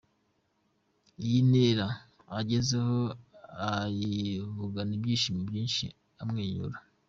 Iyi ntera agezeho ayivugana ibyishimo byinshi amwenyura.